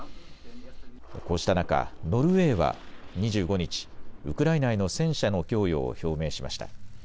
こうした中、ノルウェーは２５日、ウクライナへの戦車の供与を表明しました。